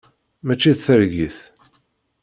Mačči d targit.